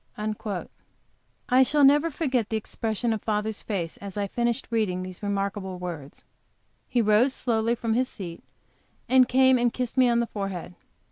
I shall never forget the expression of father's face, as I finished reading these remarkable words. He rose slowly from his seat, and came and kissed me on the forehead.